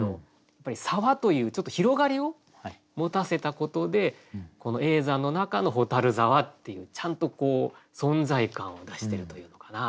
やっぱり「沢」というちょっと広がりを持たせたことで叡山の中の蛍沢っていうちゃんと存在感を出しているというのかな。